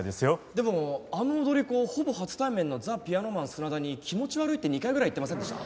でもあの踊り子ほぼ初対面のザ・ピアノマン砂田に気持ち悪いって２回ぐらい言ってませんでした？